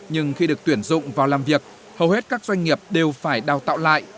nhưng khi được tuyển dụng vào làm việc hầu hết các doanh nghiệp đều phải đào tạo lại